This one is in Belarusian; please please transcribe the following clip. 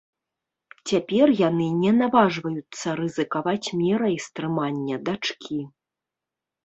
Цяпер яны не наважваюцца рызыкаваць мерай стрымання дачкі.